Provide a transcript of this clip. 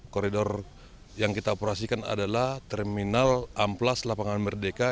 koridor yang kita operasikan adalah terminal amplas lapangan merdeka